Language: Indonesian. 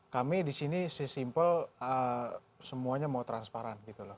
kami di sini sesimpel semuanya mau transparan gitu loh